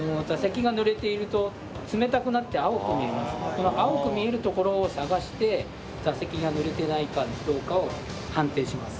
その青く見える所を探して座席がぬれてないかどうかを判定します。